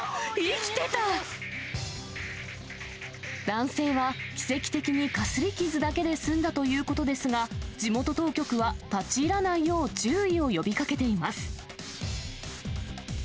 男性は奇跡的にかすり傷だけで済んだということですが、地元当局は、立ち入らないよう、注意を呼びかけています。